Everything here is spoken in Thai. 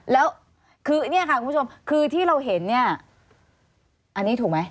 แล้วคือเนี่ยค่ะคุณผู้ชมคือที่เราเห็นเนี่ยอันนี้ถูกไหม